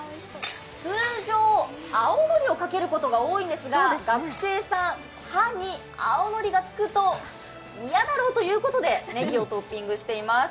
通常、青のりをかけることが多いんですが、学生さん、歯に青のりがつくと嫌だろうということでねぎをトッピングしています。